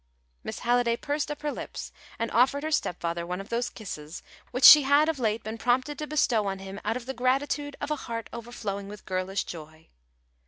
Miss Halliday pursed up her lips and offered her stepfather one of those kisses which she had of late been prompted to bestow on him out of the gratitude of a heart overflowing with girlish joy.